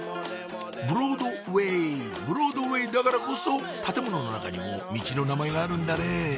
ブロードウェイブロードウェイだからこそ建物の中にもミチの名前があるんだね